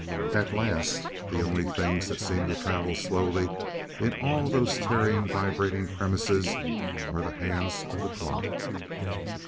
At last the only things that seem to travel slowly in all those tearing vibrating premises are the hands of the clock.